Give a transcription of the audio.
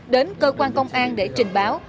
đến cơ quan công an để trình báo